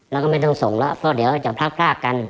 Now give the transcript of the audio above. แล้วก็ไม่ต้องส่งแล้วเพราะเดี๋ยวจะพรากพรากกัน